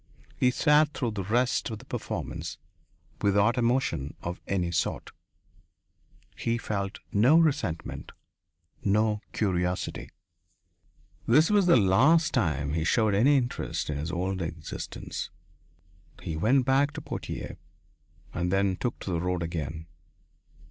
He sat through the rest of the performance without emotion of any sort. He felt no resentment, no curiosity. This was the last time he showed any interest in his old existence. He went back to Poitiers, and then took to the road again.